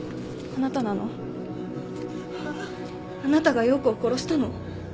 あなたが葉子を殺したの？